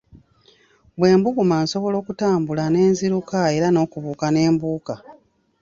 Bwe mbuguma, nsobola okutambula, ne nziruka era n'okubuuka ne mbuuka.